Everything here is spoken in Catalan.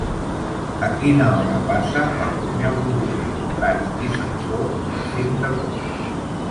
A quina hora passa el primer autobús per Prats i Sansor el cinc d'agost?